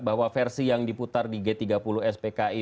bahwa versi yang diputar di g tiga puluh spki